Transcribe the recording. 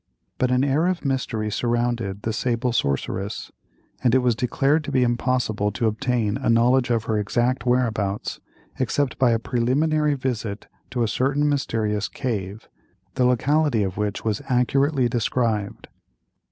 But an air of mystery surrounded the sable sorceress, and it was declared to be impossible to obtain a knowledge of her exact whereabouts, except by a preliminary visit to a certain mysterious "cave," the locality of which was accurately described.